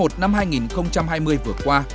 tháng một năm hai nghìn hai mươi vừa qua